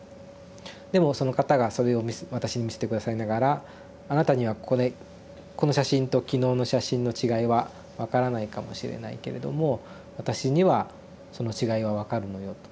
でもその方がそれを私に見せて下さりながら「あなたにはこれこの写真と昨日の写真の違いは分からないかもしれないけれども私にはその違いは分かるのよ」と。